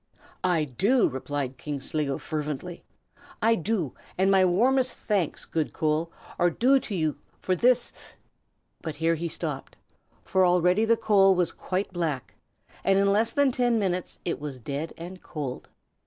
"I do!" replied King Sligo, fervently, "I do, and my warmest thanks, good Coal, are due to you for this " But here he stopped, for already the coal was quite black, and in less than ten minutes it was dead and cold.